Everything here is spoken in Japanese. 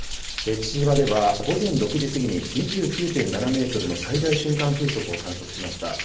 父島では午前６時過ぎに２９．７メートルの最大瞬間風速を観測しました。